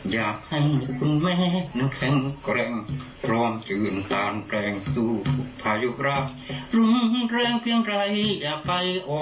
ยกอะไรออกมา